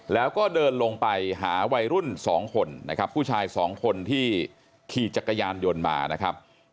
แล้วก็เดินลงไปหาวัยรุ่นสองคนนะครับผู้ชายสองคนที่ขี่จักรยานยนต์มานะครับ